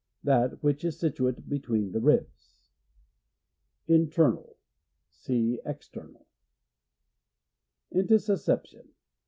That which is situate between the ribs. Internal. — Sec External. Intussusception.